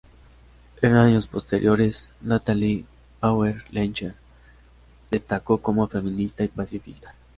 En años posteriores Natalie Bauer-Lechner destacó como feminista y pacifista.